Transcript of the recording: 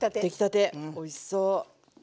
おいしそう。